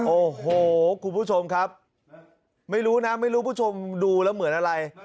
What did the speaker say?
โอ้โหคุณผู้ชมครับไม่รู้นะไม่รู้ผู้ชมดูแล้วเหมือนอะไร